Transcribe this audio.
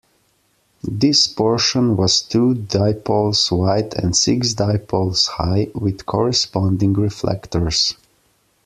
This portion was two dipoles wide and six dipoles high with corresponding reflectors.